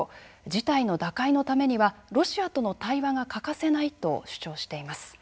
事態の打開のためにはロシアとの対話が欠かせないと主張しています。